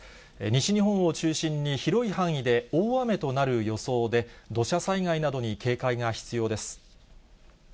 西日本を中心に広い範囲で大雨となる予想で、土砂災害などに警戒が必要です。